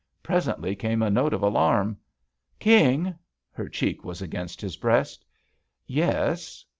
Presently came a note of alarm : "King." Her cheek was against his breast. "Yes."